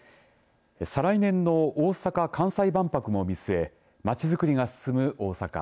再来年の大阪・関西万博も見据えまちづくりが進む大阪。